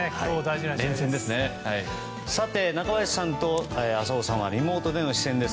中林さんと浅尾さんはリモートでの出演です。